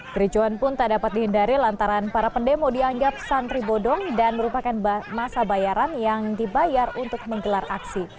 kericuan pun tak dapat dihindari lantaran para pendemo dianggap santri bodong dan merupakan masa bayaran yang dibayar untuk menggelar aksi